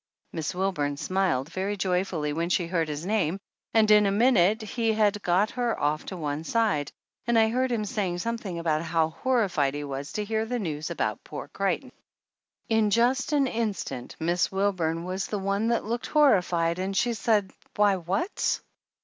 Miss Wilburn smiled very joy fully when she heard his name, and in a minute he had got her off to one side and I heard him saying something about how horrified he was to hear the news about poor Creighton. In just 158 THE ANNALS OF ANN an instant Miss Wilburn was the one that looked horrified and said why what?